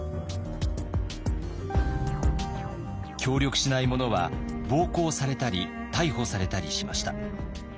協力しない者は暴行されたり逮捕されたりしました。